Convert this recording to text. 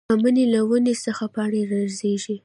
پۀ مني له ونو څخه پاڼې رژيږي